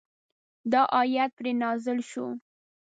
دا آیت پرې نازل شو.